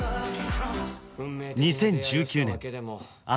２０１９年朝